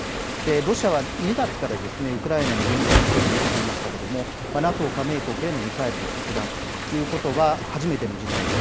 ロシアは２月からウクライナへの軍事侵攻を続けていましたがＮＡＴＯ加盟国へのミサイル着弾ということは初めての事態です。